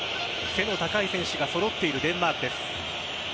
背の高い選手が揃っているデンマークです。